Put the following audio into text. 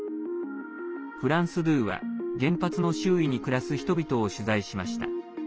フランス２は原発の周囲に暮らす人々を取材しました。